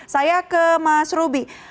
saya ke mas ruby